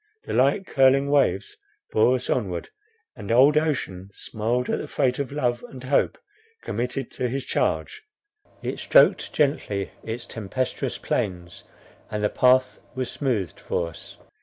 The light curling waves bore us onward, and old ocean smiled at the freight of love and hope committed to his charge; it stroked gently its tempestuous plains, and the path was smoothed for us.